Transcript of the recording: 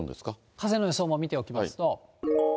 風の予想も見ておきますと。